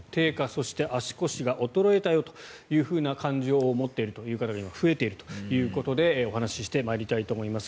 そして、足腰が衰えたよという感じを持っているという方が今、増えているということでお話してまいりたいと思います。